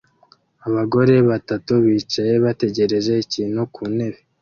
Abagore batatu bicaye bategereje ikintu ku ntebe